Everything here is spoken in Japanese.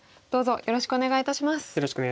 よろしくお願いします。